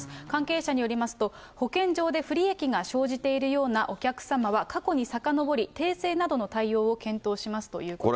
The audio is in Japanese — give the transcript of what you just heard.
関係者によりますと、保険上で不利益が生じているようなお客様は過去にさかのぼり、訂正などの対応を検討しますということです。